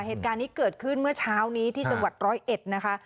เหตุการณ์นี้เกิดขึ้นเมื่อเช้านี้ที่จังหวัดร้อยเอ็ดนะคะ